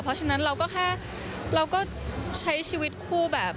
เพราะฉะนั้นเราก็ใช้ชีวิตคู่